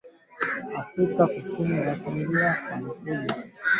Afrika kuhusu Rasilimali za Wanyama Idara ya Marekani ya Kitengo cha Kigeni